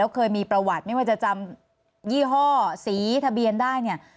เคยมีประวัติไม่ว่าจะจำยี่ห้อสีทะเบียนได้เนี่ย